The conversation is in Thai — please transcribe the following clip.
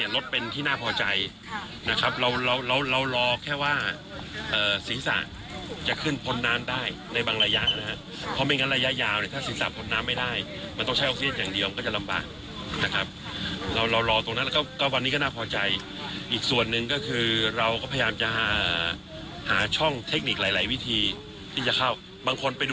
เราไปดูในอินเตอร์เน็ตนะครับ